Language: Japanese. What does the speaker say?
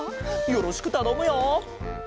よろしくたのむよ。